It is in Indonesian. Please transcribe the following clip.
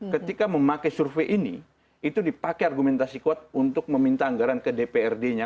ketika memakai survei ini itu dipakai argumentasi kuat untuk meminta anggaran ke dprd nya